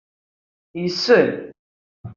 Yessen.